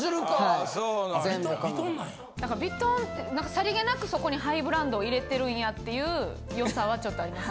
さりげなくそこにハイブランドを入れてるんやっていう良さはちょっとあります。